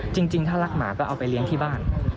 จริงถ้ารักหมาก็เอาไปเลี้ยงที่บ้าน